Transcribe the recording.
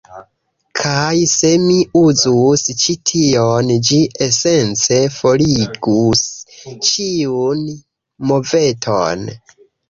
Kaj se mi uzus ĉi tion, ĝi esence forigus ĉiun moveton